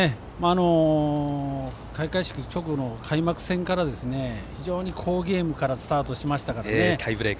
開会式直後の開幕戦から非常に好ゲームからスタートしましたからね。